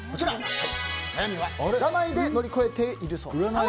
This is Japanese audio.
悩みは占いで乗り越えているそうです。